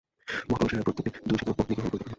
মহাপুরুষেরা প্রত্যেকে দুই শত পত্নী গ্রহণ করিতে পারেন।